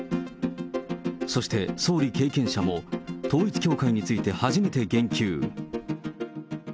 そして総理経験者も、統一教会について初めて言及。